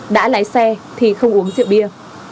đã lái xe thì không uống rượu bia